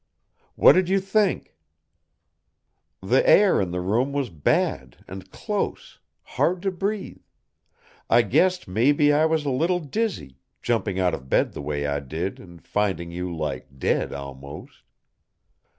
"What did you think?" "The air in the room was bad and close, hard to breathe. I guessed maybe I was a little dizzy, jumping out of bed the way I did and finding you like dead, almost."